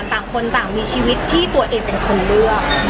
ต่างคนต่างมีชีวิตที่ตัวเองเป็นคนเลือก